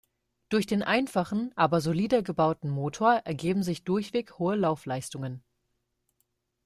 Durch den einfachen, aber solide gebauten Motor ergeben sich durchweg hohe Laufleistungen.